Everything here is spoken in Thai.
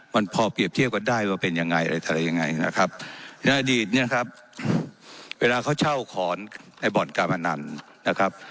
มันพอเปรียบเทียบกันได้ว่าเป็นยังไงอะไรยังไงนะครับในอดีตเนี่ยครับเวลาเขาเช่าขอนในบ่อนการพนันนะครับ